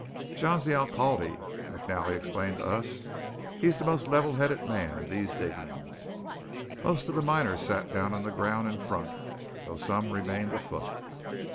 "John's the alcalde," McNally explained to us. "He's the most level headed man in these diggings." Most of the miners sat down on the ground in front, though some remained afoot.